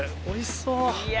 おいしそう。